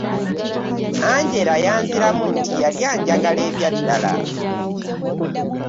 Angela yanziramu nti yali anjagala ebyaddala.